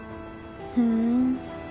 ふん。